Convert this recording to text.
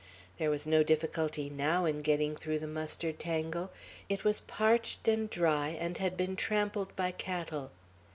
There was no difficulty now in getting through the mustard tangle. It was parched and dry, and had been trampled by cattle.